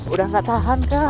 udah gak tahan kang